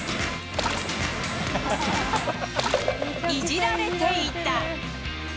いじられていた。